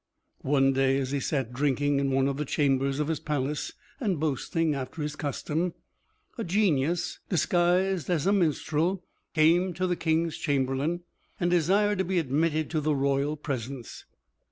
One day as he sat drinking in one of the chambers of his palace, and boasting after his custom, a Genius, disguised as a minstrel, came to the King's chamberlain, and desired to be admitted to the royal presence.